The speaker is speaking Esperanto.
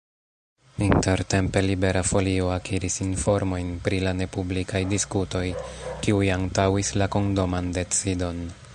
Intertempe Libera Folio akiris informojn pri la nepublikaj diskutoj kiuj antaŭis la kondoman decidon.